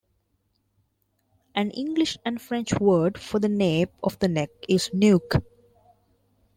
An English and French word for the nape of the neck is "nuque".